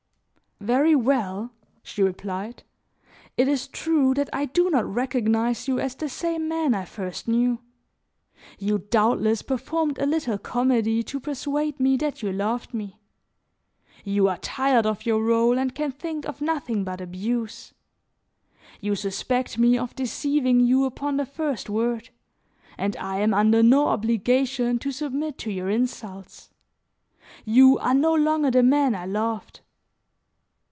"Very well," she replied; "it is true that I do not recognize you as the same man I first knew; you doubtless performed a little comedy to persuade me that you loved me; you are tired of your role and can think of nothing but abuse. You suspect me of deceiving you upon the first word, and I am under no obligation to submit to your insults. You are no longer the man I loved."